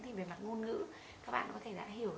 thì về mặt ngôn ngữ các bạn có thể đã hiểu